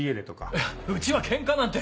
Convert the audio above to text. いやうちはケンカなんて！